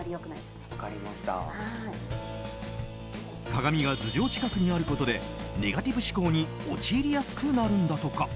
鏡が頭上近くにあることでネガティブ思考に陥りやすくなるんだとか。